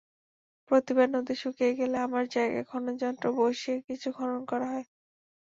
প্রতিবার নদী শুকিয়ে গেলে আমার জায়গায় খননযন্ত্র বসিয়ে কিছু খনন করা হয়।